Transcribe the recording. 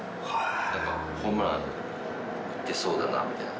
なんか、ホームラン打てそうだなみたいな。